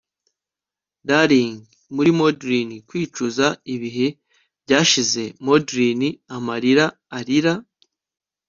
Dallying muri maudlin kwicuza kubihe byashize maudlin amarira arira